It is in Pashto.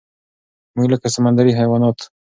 مونږ لکه سمندري حيوانات